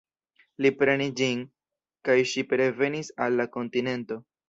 Li prenis ĝin, kaj ŝipe revenis al la kontinento.